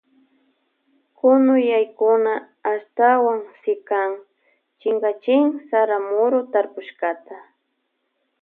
Kunuyaykuna ashtawan sikan chinkachin sara muru tarpushkata.